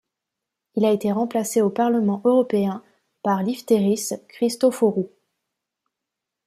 Il a été remplacé au Parlement européen par Leftéris Christofórou.